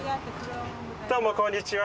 どうもこんにちは。